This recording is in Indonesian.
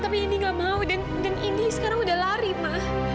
tapi indi gak mau dan indi sekarang udah lari ma